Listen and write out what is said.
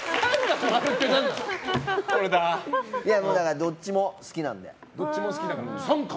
どっちも好きなので。